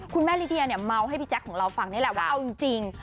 ลิเดียเนี่ยเมาส์ให้พี่แจ๊คของเราฟังนี่แหละว่าเอาจริง